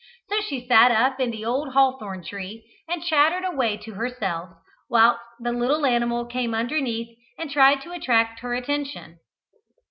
So she sat up in the old hawthorn tree, and chattered away to herself, whilst the little animal came underneath and tried to attract her attention.